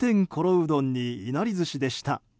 うどんにいなり寿司でした。